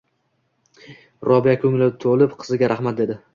Robiya koʻngli toʻlib, qiziga rahmat dedi.